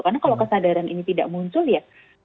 karena kalau kesadaran ini tidak muncul ya